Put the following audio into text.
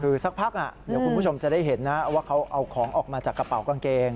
คือสักพักเดี๋ยวคุณผู้ชมจะได้เห็นนะว่าเขาเอาของออกมาจากกระเป๋ากางเกง